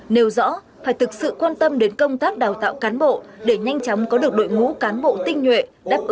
nêu rõ phải thực sự quan tâm đến công tác đào tạo cán bộ để nhanh chóng có được đội ngũ cán bộ tinh nhuệ